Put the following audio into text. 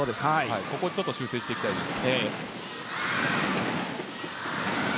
ここは修正していきたいです。